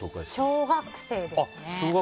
小学生ですね。